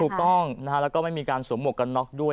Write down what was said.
ถูกต้องนะฮะแล้วก็ไม่มีการสวมหมวกกันน็อกด้วย